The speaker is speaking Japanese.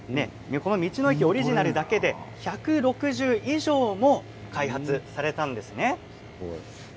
道の駅オリジナルだけで１６０以上も開発されたんですね。